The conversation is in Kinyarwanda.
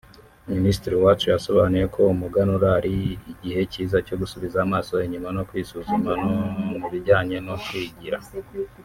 Minisitiri Uwacu yasobanuye ko umuganura ari igihe cyiza cyo gusubiza amaso inyuma no kwisuzuma mu bijyanye no kwigira